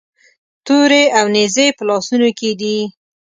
تورې او نیزې یې په لاسونو کې دي.